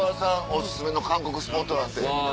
お薦めの韓国スポットなんて。